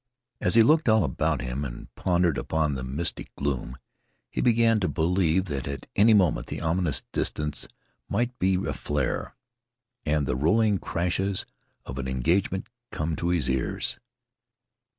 As he looked all about him and pondered upon the mystic gloom, he began to believe that at any moment the ominous distance might be aflare, and the rolling crashes of an engagement come to his ears.